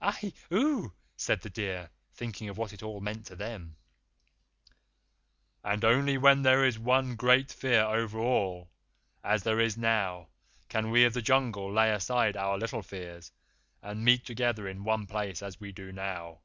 "Ahi! Aoo!" said the deer, thinking of what it all meant to them. "And only when there is one great Fear over all, as there is now, can we of the Jungle lay aside our little fears, and meet together in one place as we do now."